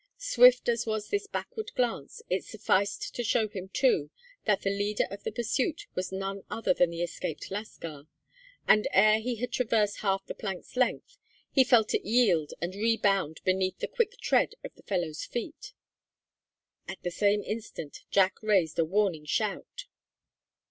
Swift as was this backward glance, it sufficed to show him, too, that the leader of the pursuit was none other than the escaped lascar; and ere he had traversed half the plank's length, he felt it yield and rebound beneath the quick tread of the fellows feet. At the same instant Jack raised a warning shout.